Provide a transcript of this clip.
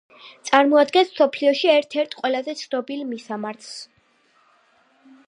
წარმოადგენს მსოფლიოში ერთ-ერთ ყველაზე ცნობილ მისამართს.